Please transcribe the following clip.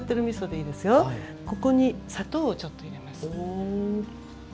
ここに砂糖をちょっと入れます。